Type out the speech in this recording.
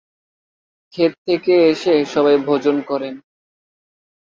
খেত থেকে এসে সবাই ভোজন করেন।